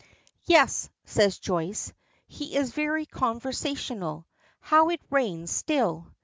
"Yes," says Joyce. "He is very conversational. How it rains, still."